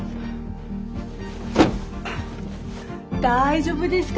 大丈夫ですか？